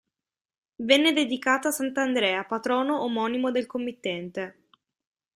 Venne dedicata a sant'Andrea, patrono omonimo del committente.